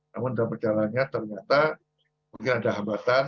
namun dalam perjalanannya ternyata mungkin ada hambatan